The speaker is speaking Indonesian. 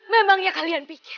memangnya kalian pikir